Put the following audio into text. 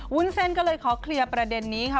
วุ้นเส้นก็เลยขอเคลียร์ประเด็นนี้ค่ะ